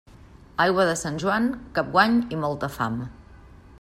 Aigua de Sant Joan, cap guany i molta fam.